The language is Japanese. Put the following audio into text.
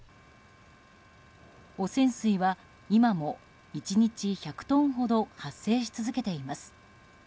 汚染水は今も１日１００トンほど発生し続けています。